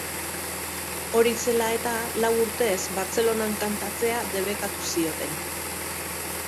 Hori zela eta, lau urtez Bartzelonan kantatzea debekatu zioten.